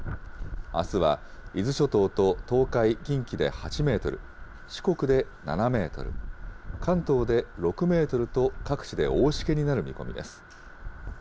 あすは伊豆諸島と東海、近畿で８メートル、四国で７メートル、関東で６メートルと各地で大しけになる見込みです。